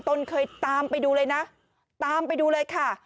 ตนเคยตามไปดูเลยนะตามไปดูเลยค่ะ